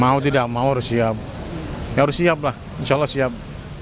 mau tidak mau harus siap harus siap lah insya allah siap